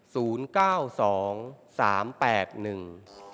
ศูนย์เก้าสองสามแปดหนึ่ง